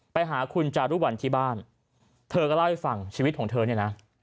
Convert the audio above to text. ไปหาคุณจารุวัลที่บ้านเธอก็เล่าให้ฟังชีวิตของเธอเนี่ยนะ